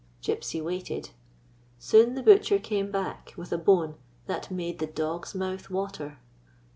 Gypsy waited. Soon the butcher came back with a bone that made the dog's mouth water.